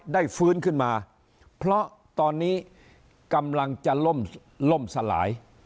ฟื้นขึ้นมาเพราะตอนนี้กำลังจะล่มสลาย